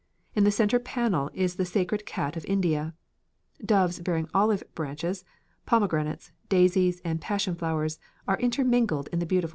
In the centre panel is the sacred cat of India. Doves bearing olive branches, pomegranates, daisies, and passion flowers are intermingled in the beautiful design.